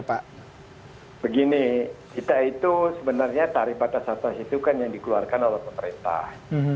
pak begini kita itu sebenarnya tarif batas atas itu kan yang dikeluarkan oleh pemerintah